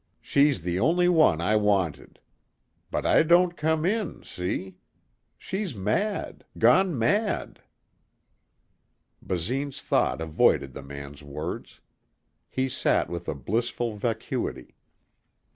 She's the only one I wanted. But I don't come in, see? She's mad ... gone mad...." Basine's thought avoided the man's words. He sat with a blissful vacuity.